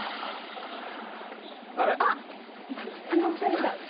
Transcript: あっあの２人だ。